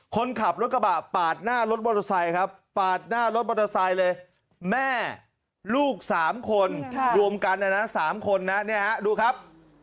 คนขับรถกระบะปาดหน้ารถมอเตอร์ไซค์ครับปาดหน้ารถมอเตอร์ไซค์เลยแม่ลูก๓คนรวมกันนะนะ๓คนนะเนี่ยฮะดูครับ